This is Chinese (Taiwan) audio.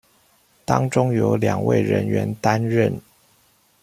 當中有兩位人員擔任